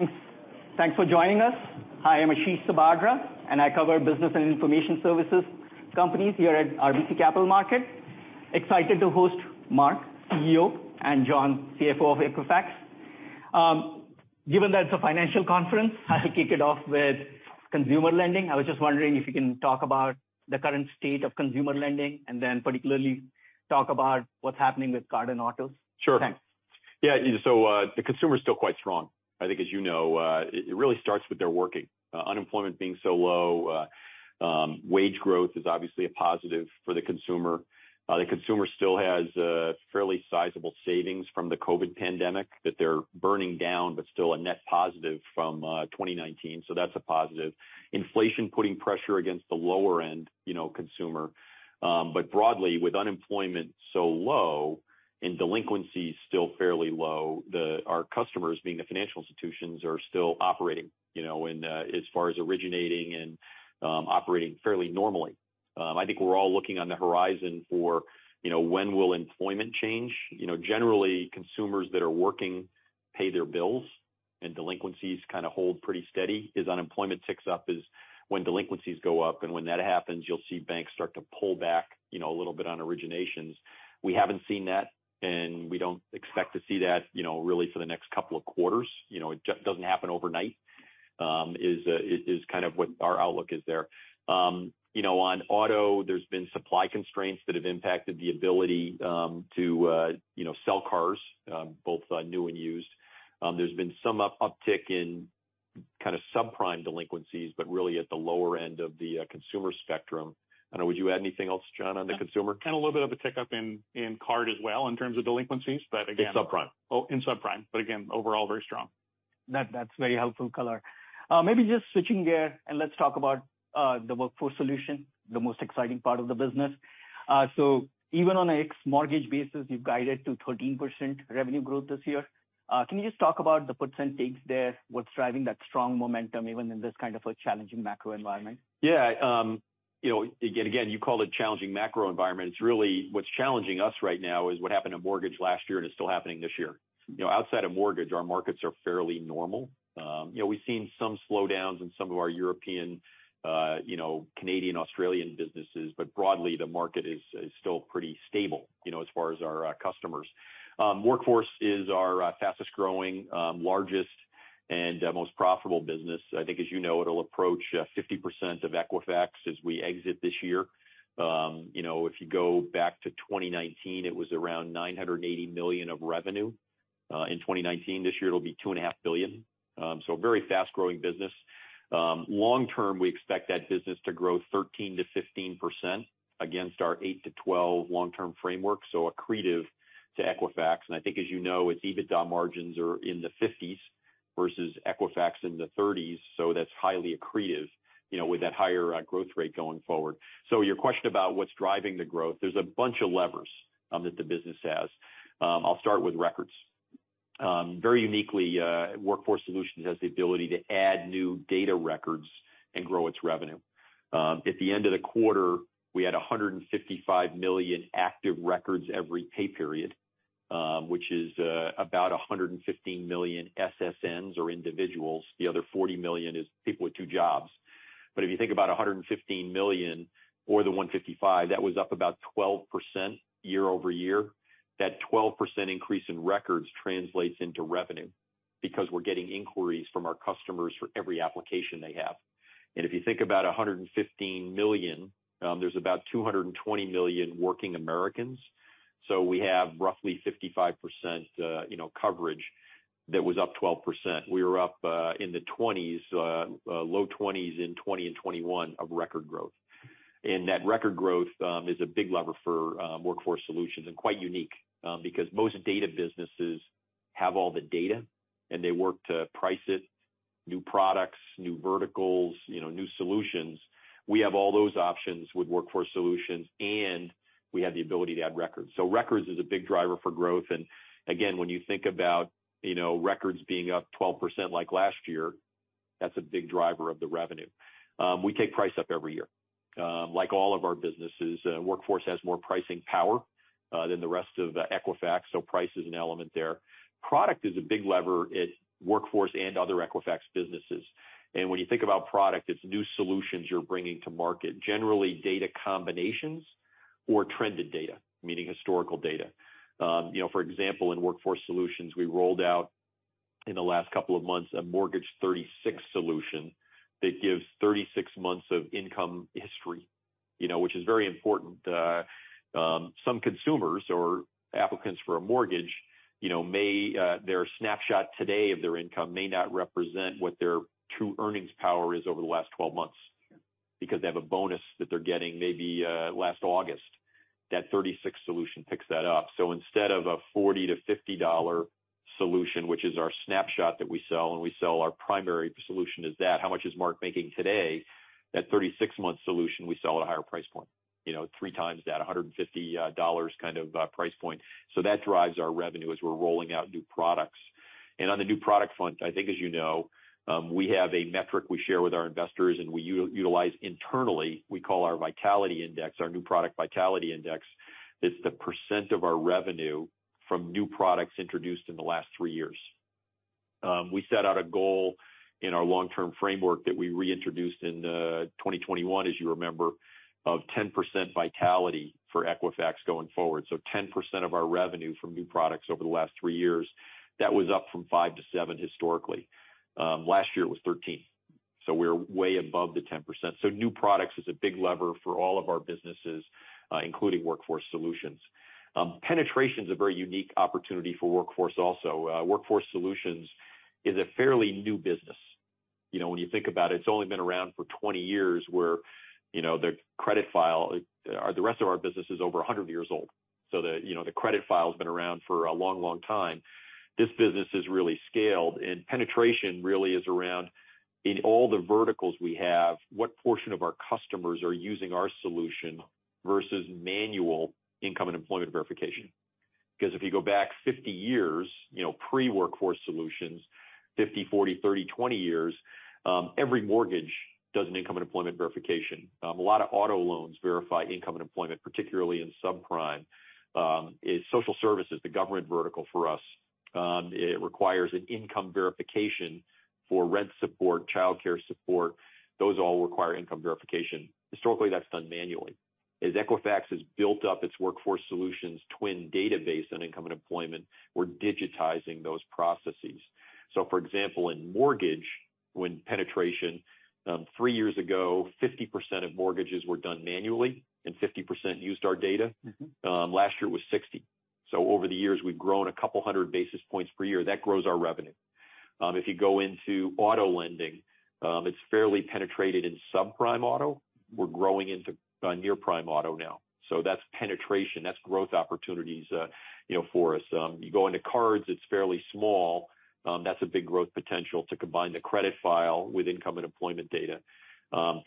Thanks, thanks for joining us. I am Ashish Sabadra, and I cover business and information services companies here at RBC Capital Markets. Excited to host Mark, CEO, and John, CFO of Equifax. Given that it's a financial conference, I'll kick it off with consumer lending. I was just wondering if you can talk about the current state of consumer lending, particularly talk about what's happening with card and autos. Sure. Thanks. The consumer is still quite strong. I think as you know, it really starts with their working. Unemployment being so low, wage growth is obviously a positive for the consumer. The consumer still has fairly sizable savings from the COVID pandemic that they're burning down, but still a net positive from 2019, that's a positive. Inflation putting pressure against the lower end, you know, consumer. Broadly, with unemployment so low and delinquencies still fairly low, our customers, being the financial institutions, are still operating, you know, as far as originating and operating fairly normally. I think we're all looking on the horizon for, you know, when will employment change. You know, generally, consumers that are working pay their bills, and delinquencies kinda hold pretty steady. As unemployment ticks up is when delinquencies go up, and when that happens, you'll see banks start to pull back, you know, a little bit on originations. We haven't seen that, and we don't expect to see that, you know, really for the next couple of quarters. You know, it doesn't happen overnight, is kind of what our outlook is there. You know, on auto, there's been supply constraints that have impacted the ability to, you know, sell cars, both new and used. There's been some uptick in kinda subprime delinquencies, but really at the lower end of the consumer spectrum. I don't know, would you add anything else, John, on the consumer? Kinda a little bit of a tick-up in card as well in terms of delinquencies. Again- In subprime. Oh, in subprime. Again, overall, very strong. That's very helpful color. Maybe just switching gears, let's talk about the Workforce Solutions, the most exciting part of the business. Even on an ex-mortgage basis, you've guided to 13% revenue growth this year. Can you just talk about the puts and takes there, what's driving that strong momentum even in this kind of a challenging macro environment? Yeah. You know, again, you called it challenging macro environment. It's really what's challenging us right now is what happened in mortgage last year and is still happening this year. You know, outside of mortgage, our markets are fairly normal. You know, we've seen some slowdowns in some of our European, Canadian, Australian businesses, but broadly, the market is still pretty stable, you know, as far as our customers. Workforce is our fastest-growing, largest and most profitable business. I think as you know, it'll approach 50% of Equifax as we exit this year. You know, if you go back to 2019, it was around $980 million of revenue in 2019. This year it'll be $2.5 billion. Very fast-growing business. Long term, we expect that business to grow 13%-15% against our 8%-12% long-term framework, so accretive to Equifax. I think as you know, its EBITDA margins are in the 50s versus Equifax in the 30s, so that's highly accretive, you know, with that higher growth rate going forward. Your question about what's driving the growth, there's a bunch of levers that the business has. I'll start with records. Very uniquely, Workforce Solutions has the ability to add new data records and grow its revenue. At the end of the quarter, we had 155 million active records every pay period, which is about 115 million SSNs or individuals. The other 40 million is people with two jobs. If you think about 115 million or the 155, that was up about 12% year-over-year. That 12% increase in records translates into revenue because we're getting inquiries from our customers for every application they have. If you think about 115 million, there's about 220 million working Americans. We have roughly 55%, you know, coverage that was up 12%. We were up in the 20s, low 20s in 2020 and 2021 of record growth. That record growth is a big lever for Workforce Solutions and quite unique because most data businesses have all the data, and they work to price it, new products, new verticals, you know, new solutions. We have all those options with Workforce Solutions, we have the ability to add records. Records is a big driver for growth. Again, when you think about, you know, records being up 12% like last year, that's a big driver of the revenue. We take price up every year. Like all of our businesses, Workforce has more pricing power than the rest of Equifax, so price is an element there. Product is a big lever at Workforce and other Equifax businesses. When you think about product, it's new solutions you're bringing to market, generally data combinations or trended data, meaning historical data. You know, for example, in Workforce Solutions, we rolled out in the last couple of months a Mortgage 36 solution that gives 36 months of income history, you know, which is very important. Some consumers or applicants for a mortgage, you know, may, their snapshot today of their income may not represent what their true earnings power is over the last 12 months. Sure... because they have a bonus that they're getting maybe, last August. That 36 solution picks that up. Instead of a $40-$50 solution, which is our snapshot that we sell, and we sell our primary solution is that, how much is Mark making today, that 36-month solution we sell at a higher price point, you know, 3 times that, $150 kind of price point. That drives our revenue as we're rolling out new products. On the new product front, I think as you know, we have a metric we share with our investors and we utilize internally, we call our vitality index. Our Vitality Index is the % of our revenue from new products introduced in the last three years. We set out a goal in our long-term framework that we reintroduced in 2021, as you remember, of 10% vitality for Equifax going forward. 10% of our revenue from new products over the last three years, that was up from 5%-7% historically. Last year it was 13, so we're way above the 10%. New products is a big lever for all of our businesses, including Workforce Solutions. Penetration's a very unique opportunity for Workforce also. Workforce Solutions is a fairly new business. You know, when you think about it's only been around for 20 years, where, you know, the credit file, the rest of our business is over 100 years old. The, you know, the credit file's been around for a long, long time. This business has really scaled, and penetration really is around in all the verticals we have, what portion of our customers are using our solution versus manual income and employment verification. Because if you go back 50 years, you know, pre-Workforce Solutions, 50, 40, 30, 20 years, every mortgage does an income and employment verification. A lot of auto loans verify income and employment, particularly in subprime. Is social services the government vertical for us? It requires an income verification for rent support, childcare support. Those all require income verification. Historically, that's done manually. As Equifax has built up its Workforce Solutions TWN database on income and employment, we're digitizing those processes. For example, in mortgage, when penetration, three years ago, 50% of mortgages were done manually and 50% used our data. Mm-hmm. Last year was 60. Over the years, we've grown 200 basis points per year. That grows our revenue. If you go into auto lending, it's fairly penetrated in subprime auto. We're growing into near prime auto now. That's penetration. That's growth opportunities, you know, for us. You go into cards, it's fairly small. That's a big growth potential to combine the credit file with income and employment data.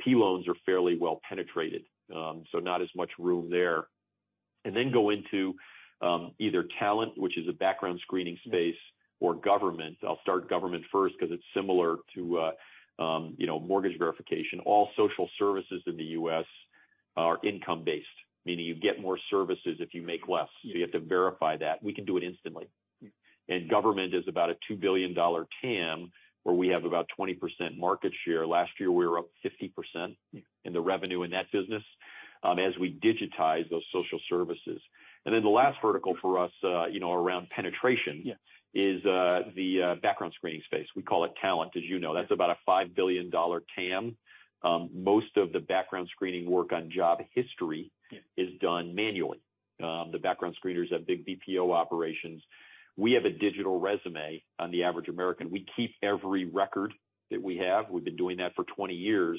P loans are fairly well penetrated, not as much room there. Go into either Talent, which is a background screening space or government. I'll start government first 'cause it's similar to, you know, mortgage verification. All social services in the U.S. are income-based, meaning you get more services if you make less. Yeah. You have to verify that. We can do it instantly. Yeah. Government is about a $2 billion TAM, where we have about 20% market share. Last year, we were up 50%. Yeah in the revenue in that business, as we digitize those social services. The last vertical for us, you know, around penetration. Yeah -is, the background screening space. We call it Talent, as you know. That's about a $5 billion TAM. most of the background screening work on job history- Yeah -is done manually. The background screeners have big BPO operations. We have a digital resume on the average American. We keep every record that we have. We've been doing that for 20 years.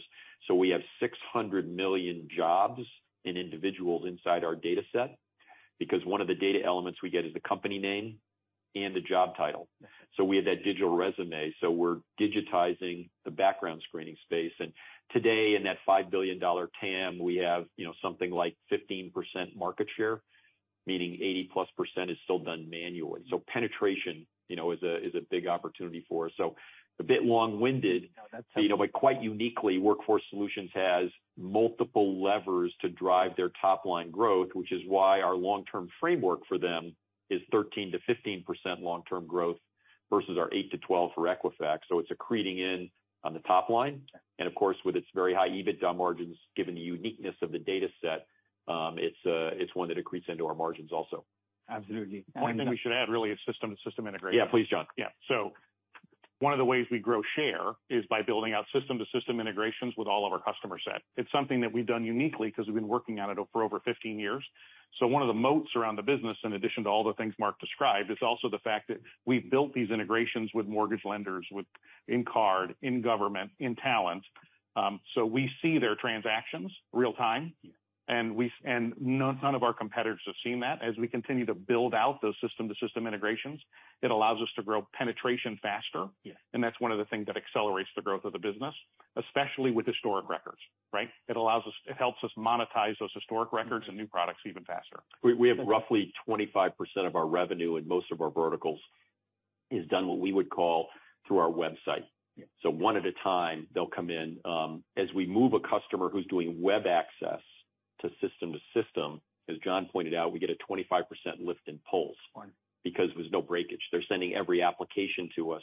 We have 600 million jobs and individuals inside our data set because one of the data elements we get is the company name and the job title. Yeah. We have that digital resume, so we're digitizing the background screening space. Today, in that $5 billion TAM, we have, you know, something like 15% market share, meaning 80%+ is still done manually. Penetration, you know, is a, is a big opportunity for us. A bit long-winded- No, that's helpful. Quite uniquely, Workforce Solutions has multiple levers to drive their top-line growth, which is why our long-term framework for them is 13%-15% long-term growth versus our 8%-12% for Equifax. It's accreting in on the top line. Yeah. Of course, with its very high EBITDA margins, given the uniqueness of the data set, it's one that accretes into our margins also. Absolutely. One thing we should add really is system to system integration. Yeah. Please, John. One of the ways we grow share is by building out system-to-system integrations with all of our customer set. It's something that we've done uniquely 'cause we've been working on it for over 15 years. One of the moats around the business, in addition to all the things Mark described, is also the fact that we've built these integrations with mortgage lenders, with in card, in government, in talent. We see their transactions real-time. Yeah. None of our competitors have seen that. As we continue to build out those system-to-system integrations, it allows us to grow penetration faster. Yeah. That's one of the things that accelerates the growth of the business, especially with historic records, right? It helps us monetize those historic records and new products even faster. We have roughly 25% of our revenue in most of our verticals is done what we would call through our website. Yeah. One at a time, they'll come in. As we move a customer who's doing web access to system to system, as John pointed out, we get a 25% lift in pulse. One There's no breakage. They're sending every application to us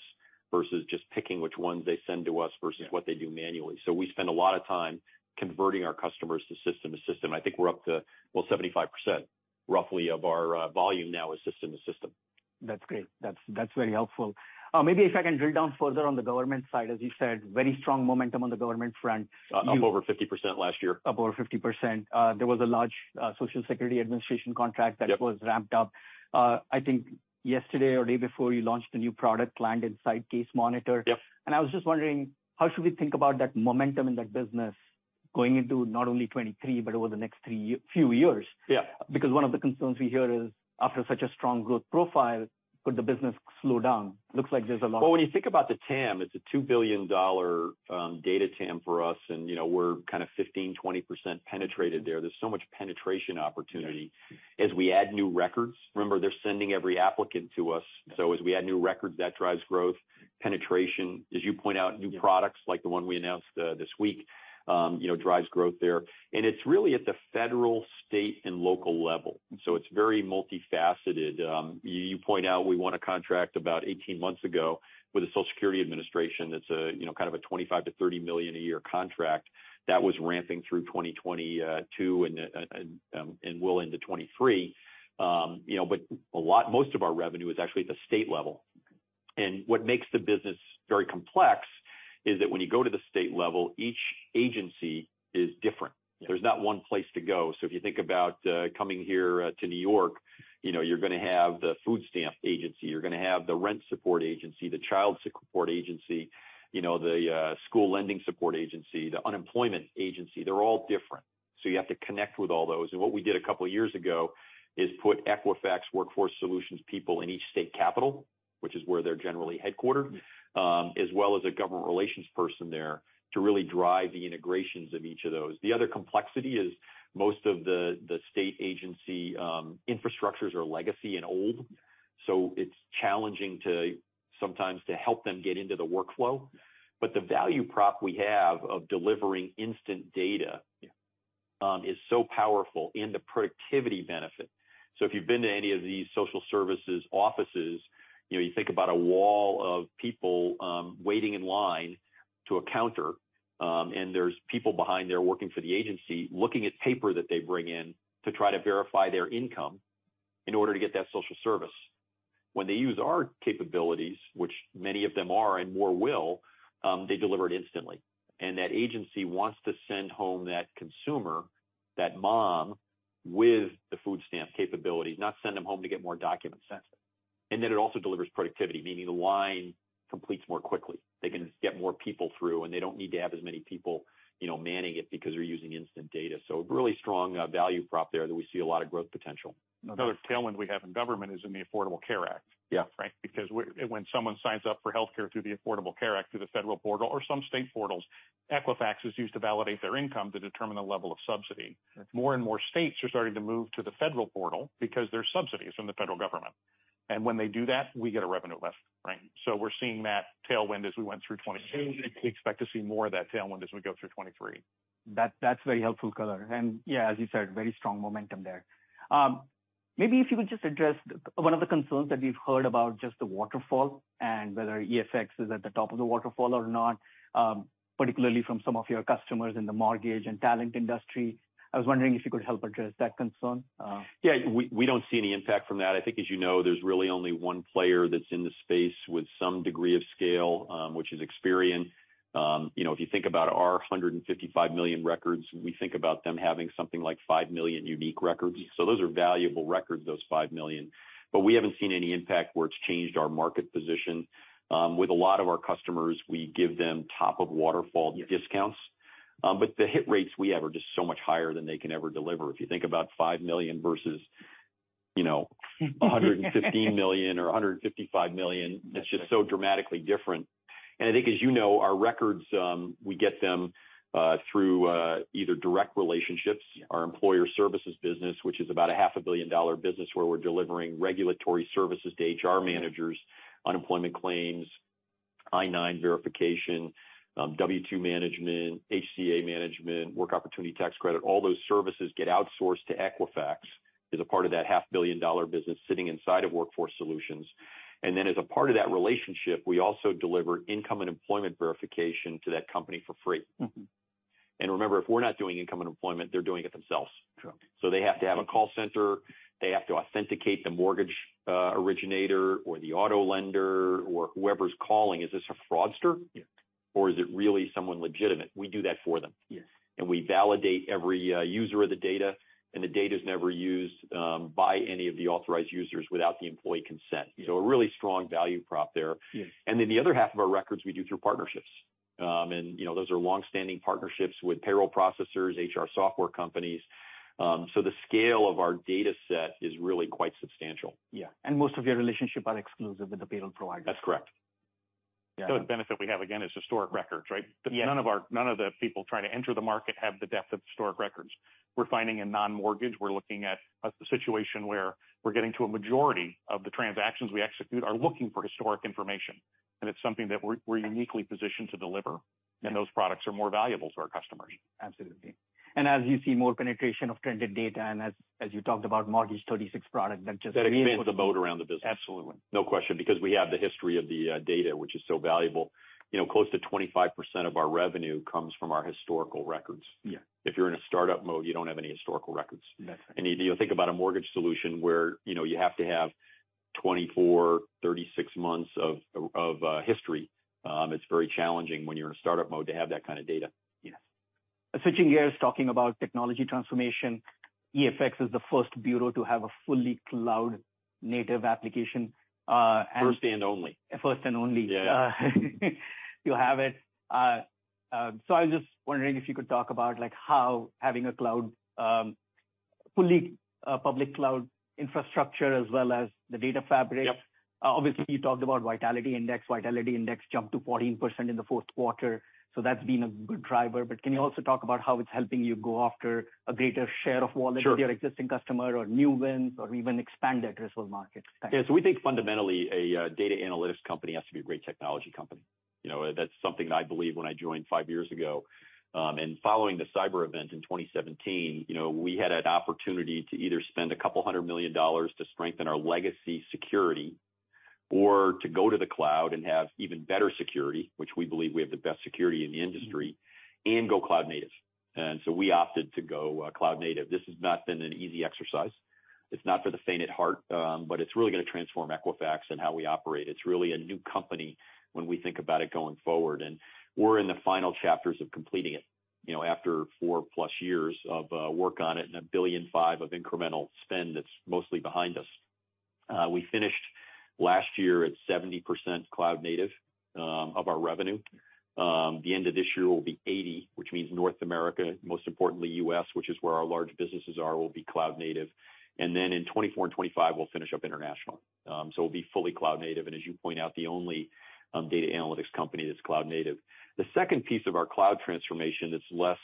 versus just picking which ones they send to us versus what they do manually. We spend a lot of time converting our customers to system to system. I think we're up to, well, 75% roughly of our volume now is system to system. That's great. That's very helpful. Maybe if I can drill down further on the government side. As you said, very strong momentum on the government front. Up over 50% last year. Up over 50%. There was a large Social Security Administration. Yep ...that was ramped up. I think yesterday or day before, you launched a new product, Client Insight Case Monitor. Yep. I was just wondering, how should we think about that momentum in that business going into not only 2023, but over the next few years? Yeah. One of the concerns we hear is, after such a strong growth profile, could the business slow down? Looks like there's a lot. When you think about the TAM, it's a $2 billion data TAM for us, and you know, we're kinda 15%-20% penetrated there. There's so much penetration opportunity. Yeah. As we add new records, remember, they're sending every applicant to us. Yeah. As we add new records, that drives growth, penetration. As you point out, new products- Yeah like the one we announced, this week, you know, drives growth there. It's really at the federal, state, and local level. It's very multifaceted. You point out we won a contract about 18 months ago with the Social Security Administration. That's a, you know, kind of a $25 million-$30 million a year contract. That was ramping through 2022 and will into 2023. You know, most of our revenue is actually at the state level. What makes the business very complex is that when you go to the state level, each agency is different. Yeah. There's not one place to go. If you think about coming here to New York, you know, you're gonna have the food stamp agency, you're gonna have the rent support agency, the child support agency, you know, the school lending support agency, the unemployment agency. They're all different. You have to connect with all those. What we did a couple years ago is put Equifax Workforce Solutions people in each state capital, which is where they're generally headquartered. Mm-hmm ... as well as a government relations person there to really drive the integrations of each of those. The other complexity is most of the state agency, infrastructures are legacy and old, so it's challenging to sometimes to help them get into the workflow. The value prop we have of delivering instant data- Yeah... is so powerful and the productivity benefit. If you've been to any of these social services offices, you know, you think about a wall of people, waiting in line to a counter, and there's people behind there working for the agency looking at paper that they bring in to try to verify their income in order to get that social service. When they use our capabilities, which many of them are and more will, they deliver it instantly. That agency wants to send home that consumer, that mom, with the food stamps capabilities, not send them home to get more documents sent. It also delivers productivity, meaning the line completes more quickly. They can get more people through, and they don't need to have as many people, you know, manning it because they're using instant data. really strong value prop there that we see a lot of growth potential. Another tailwind we have in government is in the Affordable Care Act. Yeah. Right? When someone signs up for healthcare through the Affordable Care Act, through the federal portal or some state portals, Equifax is used to validate their income to determine the level of subsidy. That's right. More and more states are starting to move to the federal portal because there's subsidies from the federal government. When they do that, we get a revenue lift, right? We're seeing that tailwind as we went through 2022. We expect to see more of that tailwind as we go through 2023. That's very helpful color. As you said, very strong momentum there. Maybe if you could just address one of the concerns that we've heard about just the waterfall and whether EFX is at the top of the waterfall or not, particularly from some of your customers in the mortgage and talent industry. I was wondering if you could help address that concern. Yeah. We don't see any impact from that. I think, as you know, there's really only one player that's in the space with some degree of scale, which is Experian. You know, if you think about our 155 million records, we think about them having something like 5 million unique records. Those are valuable records, those 5 million. We haven't seen any impact where it's changed our market position. With a lot of our customers, we give them top of waterfall discounts. But the hit rates we have are just so much higher than they can ever deliver. If you think about 5 million versus, you know, 150 million or 155 million. That's right.... it's just so dramatically different. I think, as you know, our records, we get them through either direct. Yeah... our employer services business, which is about a half a billion-dollar business, where we're delivering regulatory services to HR managers, unemployment claims, I-9 verification, W-2 management, ACA management, Work Opportunity Tax Credit, all those services get outsourced to Equifax, as a part of that half Billion dollar business sitting inside of Workforce Solutions. As a part of that relationship, we also deliver income and employment verification to that company for free. Mm-hmm. Remember, if we're not doing income and employment, they're doing it themselves. True. They have to have a call center. They have to authenticate the mortgage originator or the auto lender or whoever's calling. Is this a fraudster? Yeah. Is it really someone legitimate? We do that for them. Yes. We validate every user of the data, and the data is never used by any of the authorized users without the employee consent. Yeah. A really strong value prop there. Yes. The other half of our records we do through partnerships. You know, those are long-standing partnerships with payroll processors, HR software companies. The scale of our dataset is really quite substantial. Yeah. Most of your relationship are exclusive with the payroll providers. That's correct. The other benefit we have, again, is historic records, right? Yeah. None of our none of the people trying to enter the market have the depth of historic records. We're finding in non-mortgage, we're looking at a situation where we're getting to a majority of the transactions we execute are looking for historic information. It's something that we're uniquely positioned to deliver. Yeah... Those products are more valuable to our customers. Absolutely. As you see more penetration of trended data as you talked about Mortgage36 product. That expands the moat around the business. Absolutely. No question, because we have the history of the data, which is so valuable. You know, close to 25% of our revenue comes from our historical records. Yeah. If you're in a startup mode, you don't have any historical records. That's right. You think about a mortgage solution where, you know, you have to have 24, 36 months of history, it's very challenging when you're in a startup mode to have that kind of data. Switching gears, talking about technology transformation, EFX is the first bureau to have a fully cloud-native application. First and only. First and only. Yeah. You have it. I was just wondering if you could talk about like how having a cloud, fully public cloud infrastructure as well as the data fabric. Yep. Obviously you talked about Vitality Index. Vitality Index jumped to 14% in the fourth quarter, so that's been a good driver. Can you also talk about how it's helping you go after a greater share of wallet-? Sure with your existing customer or new wins or even expand addressable markets? Yeah. we think fundamentally a data analytics company has to be a great technology company. You know, that's something that I believed when I joined five years ago. following the cyber event in 2017, you know, we had an opportunity to either spend $200 million to strengthen our legacy security or to go to the cloud and have even better security, which we believe we have the best security in the industry... Mm-hmm and go cloud native. We opted to go cloud native. This has not been an easy exercise. It's not for the faint at heart, but it's really gonna transform Equifax and how we operate. It's really a new company when we think about it going forward. We're in the final chapters of completing it, you know, after 4+ years of work on it and $1.5 billion of incremental spend that's mostly behind us. We finished last year at 70% cloud native of our revenue. The end of this year will be 80%, which means North America, most importantly US, which is where our large businesses are, will be cloud native. In 2024 and 2025, we'll finish up international. We'll be fully cloud native, and as you point out, the only data analytics company that's cloud native. The second piece of our cloud transformation that's less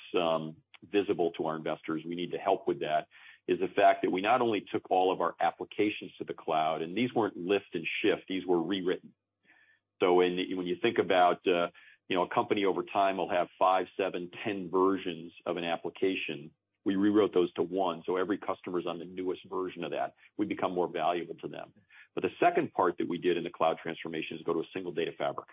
visible to our investors, we need to help with that, is the fact that we not only took all of our applications to the cloud, and these weren't lift and shift, these were rewritten. When you think about, you know, a company over time will have five, seven, 10 versions of an application, we rewrote those to one, so every customer's on the newest version of that. We become more valuable to them. The second part that we did in the cloud transformation is go to a single data fabric.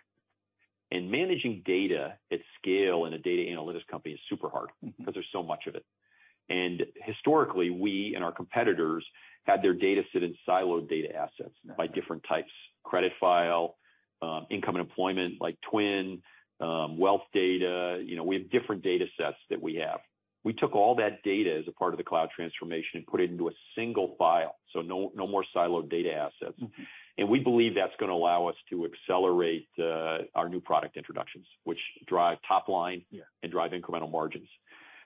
Managing data at scale in a data analytics company is super hard because there's so much of it. Historically, we and our competitors had their data sit in siloed data assets by different types: credit file, income and employment like TWN, wealth data. You know, we have different data sets that we have. We took all that data as a part of the cloud transformation and put it into a single file, so no more siloed data assets. Mm-hmm. We believe that's gonna allow us to accelerate, our new product introductions, which drive top line. Yeah ...and drive incremental margins.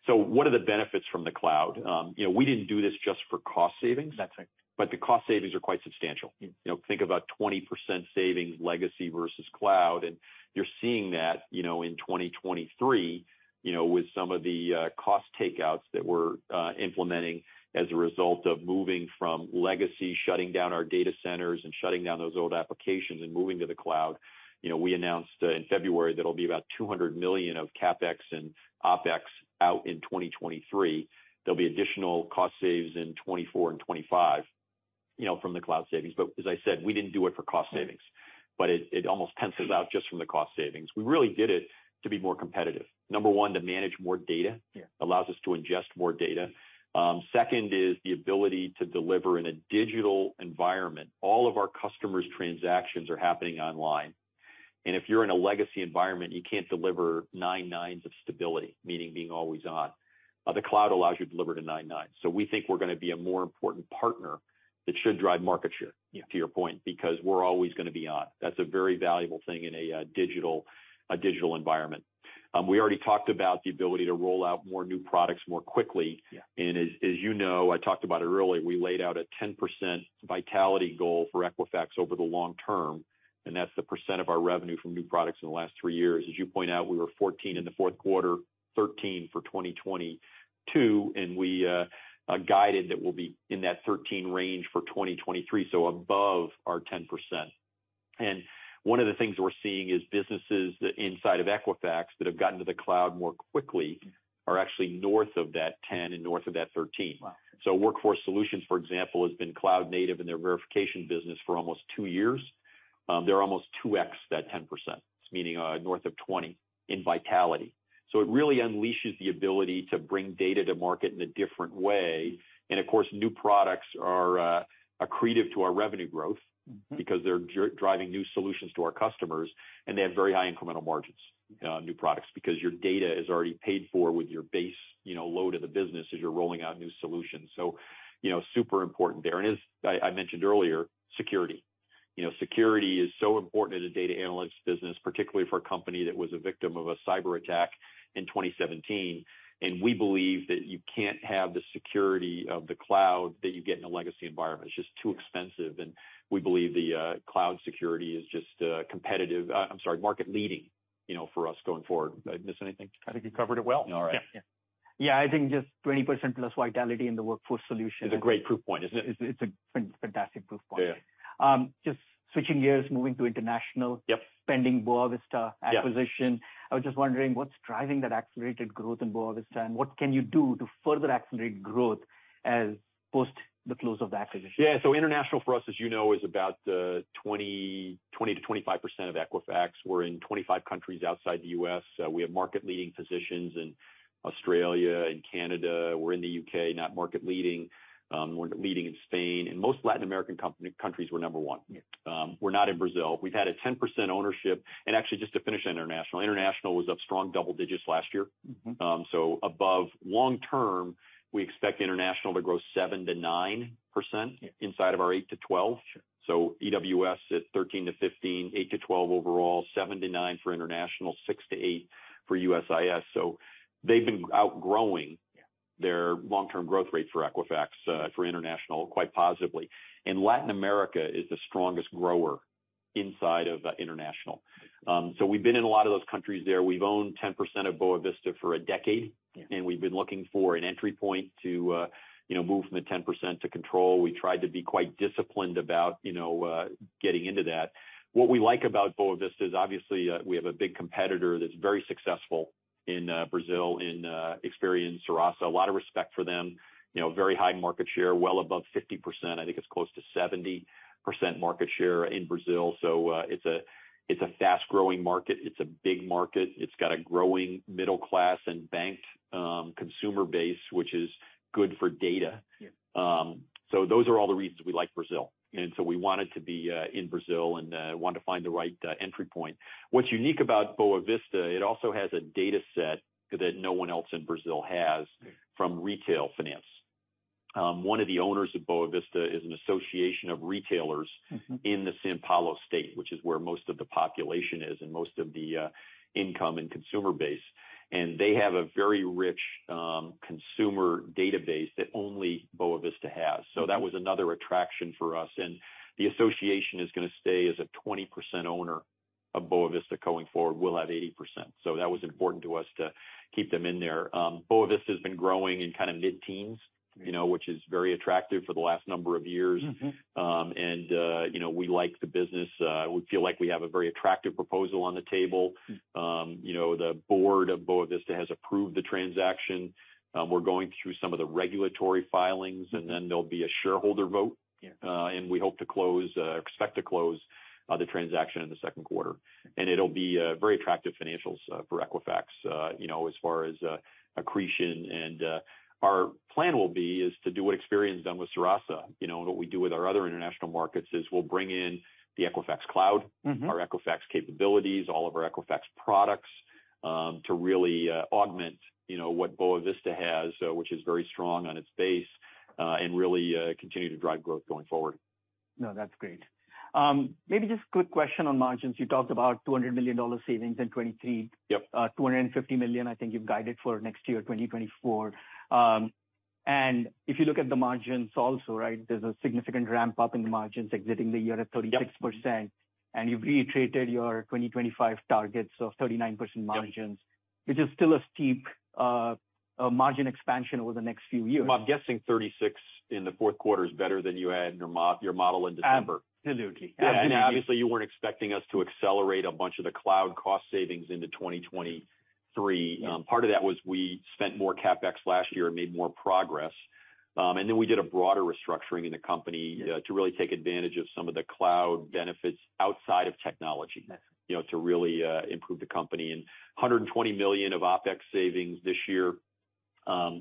What are the benefits from the cloud? you know, we didn't do this just for cost savings. That's right. The cost savings are quite substantial. Mm. You know, think about 20% savings legacy versus cloud. You're seeing that, you know, in 2023, you know, with some of the cost takeouts that we're implementing as a result of moving from legacy, shutting down our data centers and shutting down those old applications and moving to the cloud. You know, we announced in February that it'll be about $200 million of CapEx and OpEx out in 2023. There'll be additional cost saves in 2024 and 2025, you know, from the cloud savings. As I said, we didn't do it for cost savings. Mm. It almost tenses out just from the cost savings. We really did it to be more competitive. Number one, to manage more data. Yeah. Allows us to ingest more data. Second is the ability to deliver in a digital environment. All of our customers' transactions are happening online. If you're in a legacy environment, you can't deliver nine nines of stability, meaning being always on. The cloud allows you to deliver to nine nines. We think we're gonna be a more important partner that should drive market share. Yeah ...to your point, because we're always gonna be on. That's a very valuable thing in a digital environment. We already talked about the ability to roll out more new products more quickly. Yeah. As you know, I talked about it earlier, we laid out a 10% Vitality Index goal for Equifax over the long term, and that's the percent of our revenue from new products in the last three years. As you point out, we were 14% in the fourth quarter, 13% for 2022, and we guided that we'll be in that 13% range for 2023, so above our 10%. One of the things we're seeing is businesses inside of Equifax that have gotten to the cloud more quickly are actually north of that 10% and north of that 13%. Wow. Workforce Solutions, for example, has been cloud native in their verification business for almost two years. They're almost 2x that 10%, meaning, north of 20 in vitality. It really unleashes the ability to bring data to market in a different way. Of course, new products are accretive to our revenue growth. Mm-hmm ...because they're driving new solutions to our customers, and they have very high incremental margins, new products. Because your data is already paid for with your base, you know, load of the business as you're rolling out new solutions. You know, super important there. As I mentioned earlier, security. You know, security is so important as a data analytics business, particularly for a company that was a victim of a cyberattack in 2017. We believe that you can't have the security of the cloud that you get in a legacy environment. It's just too expensive, and we believe the cloud security is just market leading, you know, for us going forward. Did I miss anything? I think you covered it well. All right. Yeah. Yeah. Yeah, I think just 20% plus vitality in the Workforce Solutions. Is a great proof point, isn't it? Is a fantastic proof point. Yeah. Yeah. Just switching gears, moving to international. Yep. Pending Boa Vista acquisition. Yeah. I was just wondering what's driving that accelerated growth in Boa Vista, and what can you do to further accelerate growth as post the close of the acquisition? Yeah. International for us, as you know, is about 20% to 25% of Equifax. We're in 25 countries outside the U.S. We have market-leading positions in Australia and Canada. We're in the U.K., not market leading. We're leading in Spain. In most Latin American countries, we're number 1. Yeah. We're not in Brazil. We've had a 10% ownership. Just to finish on international was up strong double digits last year. Mm-hmm. Above long term, we expect international to grow 7%-9%. Yeah inside of our 8-12. Sure. EWS at 13%-15%, 8%-12% overall, 7%-9% for international, 6%-8% for USIS. They've been outgrowing- Yeah ...their long-term growth rate for Equifax, for international quite positively. Latin America is the strongest grower inside of international. We've been in a lot of those countries there. We've owned 10% of Boa Vista for a decade. Yeah. We've been looking for an entry point to, you know, move from the 10% to control. We tried to be quite disciplined about, you know, getting into that. What we like about Boa Vista is obviously, we have a big competitor that's very successful in Brazil in Experian Serasa. A lot of respect for them. You know, very high market share, well above 50%. I think it's close to 70% market share in Brazil. It's a fast-growing market. It's a big market. It's got a growing middle class and banked consumer base, which is good for data. Yeah. Those are all the reasons we like Brazil. We wanted to be in Brazil and want to find the right entry point. What's unique about Boa Vista, it also has a data set that no one else in Brazil has. Yeah... from retail finance. One of the owners of Boa Vista is an association of retailers. Mm-hmm... in the São Paulo state, which is where most of the population is and most of the income and consumer base. They have a very rich consumer database that only Boa Vista has. That was another attraction for us. The association is gonna stay as a 20% owner of Boa Vista going forward, we'll have 80%. That was important to us to keep them in there. Boa Vista has been growing in kind of mid-teens, you know, which is very attractive for the last number of years. Mm-hmm. You know, we like the business. We feel like we have a very attractive proposal on the table. You know, the board of Boa Vista has approved the transaction. We're going through some of the regulatory filings, then there'll be a shareholder vote. Yeah. We hope to close, expect to close, the transaction in the second quarter. It'll be very attractive financials for Equifax, you know, as far as accretion and our plan will be is to do what Experian's done with Serasa. You know, what we do with our other international markets is we'll bring in the Equifax cloud. Mm-hmm... our Equifax capabilities, all of our Equifax products, to really augment, you know, what Boa Vista has, which is very strong on its base, and really continue to drive growth going forward. No, that's great. Maybe just quick question on margins. You talked about $200 million savings in 2023. Yep. $250 million, I think you've guided for next year, 2024. If you look at the margins also, there's a significant ramp up in the margins exiting the year at 36%. Yep. You've reiterated your 2025 targets of 39% margins. Yep... which is still a steep margin expansion over the next few years. Well, I'm guessing 36 in the fourth quarter is better than you had in your model in December. Absolutely. Obviously, you weren't expecting us to accelerate a bunch of the cloud cost savings into 2023. Yeah. Part of that was we spent more CapEx last year and made more progress. We did a broader restructuring in the company- Yeah... to really take advantage of some of the cloud benefits outside of technology. Makes sense. You know, to really improve the company. $120 million of OpEx savings this year,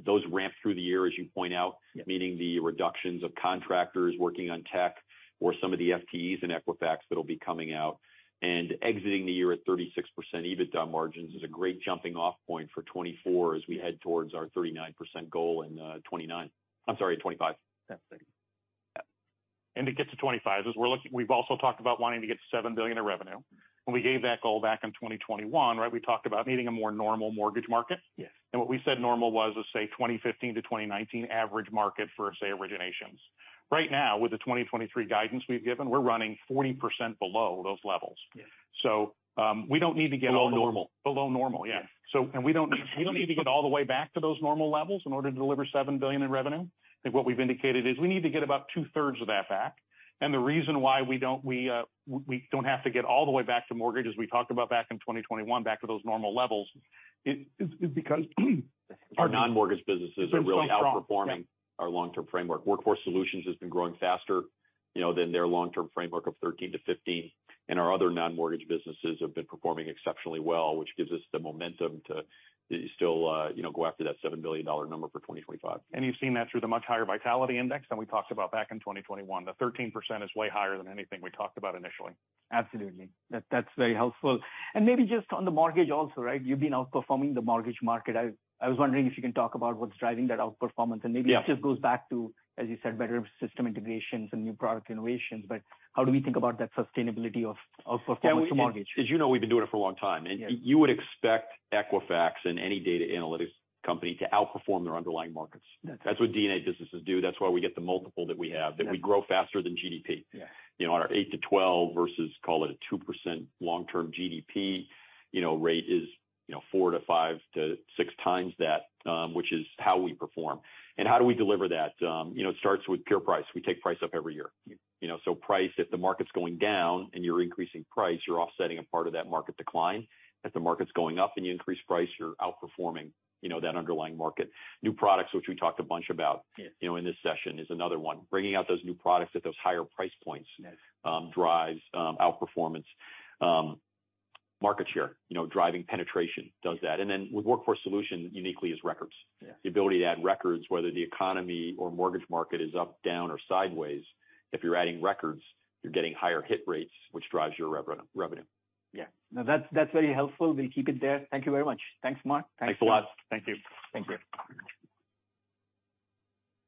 those ramp through the year, as you point out. Yeah. Meaning the reductions of contractors working on tech or some of the FTEs in Equifax that'll be coming out. Exiting the year at 36% EBITDA margins is a great jumping off point for 2024 as we head towards our 39% goal in 2029. I'm sorry, 2025. That's it. Yeah. To get to 2025, we've also talked about wanting to get $7 billion of revenue. When we gave that goal back in 2021, right, we talked about needing a more normal mortgage market. Yes. What we said normal was, let's say, 2015 to 2019 average market for, say, originations. Right now, with the 2023 guidance we've given, we're running 40% below those levels. Yeah. We don't need to get. Below normal. Below normal, yeah. Yes. We don't need to get all the way back to those normal levels in order to deliver $7 billion in revenue. I think what we've indicated is we need to get about two-thirds of that back. The reason why we don't have to get all the way back to mortgage, as we talked about back in 2021, back to those normal levels is because. Our non-mortgage businesses are really outperforming. Very strong, yeah.... our long-term framework. Workforce Solutions has been growing faster, you know, than their long-term framework of 13%-15%. Our other non-mortgage businesses have been performing exceptionally well, which gives us the momentum to still, you know, go after that $7 billion number for 2025. You've seen that through the much higher Vitality Index than we talked about back in 2021. The 13% is way higher than anything we talked about initially. Absolutely. That's very helpful. Maybe just on the mortgage also, right? You've been outperforming the mortgage market. I was wondering if you can talk about what's driving that outperformance. Yeah. Maybe it just goes back to, as you said, better system integrations and new product innovations. How do we think about that sustainability of performance to mortgage? As you know, we've been doing it for a long time. Yeah. You would expect Equifax and any data analytics company to outperform their underlying markets. Makes sense. That's what DNA businesses do. That's why we get the multiple that we have. Yeah... that we grow faster than GDP. Yeah. You know, on our 8%-12% versus call it a 2% long-term GDP, you know, rate is, you know, 4x-6x that, which is how we perform. How do we deliver that? You know, it starts with pure price. We take price up every year. You know, price, if the market's going down and you're increasing price, you're offsetting a part of that market decline. If the market's going up and you increase price, you're outperforming, you know, that underlying market. New products, which we talked a bunch about. Yeah... you know, in this session, is another one. Bringing out those new products at those higher price points. Yes... drives, outperformance. Market share, you know, driving penetration does that. With Workforce Solutions uniquely is records. Yeah. The ability to add records, whether the economy or mortgage market is up, down or sideways, if you're adding records, you're getting higher hit rates, which drives your revenue. Yeah. No, that's very helpful. We'll keep it there. Thank you very much. Thanks, Mark. Thanks a lot. Thank you. Thank you. Take care.